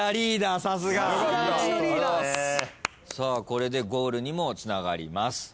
これでゴールにもつながります。